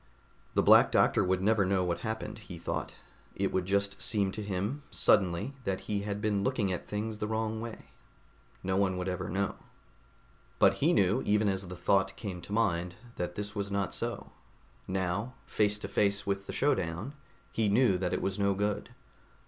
The Black Doctor would never know what happened, he thought. It would just seem to him, suddenly, that he had been looking at things the wrong way. No one would ever know. But he knew, even as the thought came to mind, that this was not so. Now, face to face with the showdown, he knew that it was no good.